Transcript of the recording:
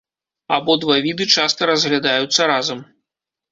Абодва віды часта разглядаюцца разам.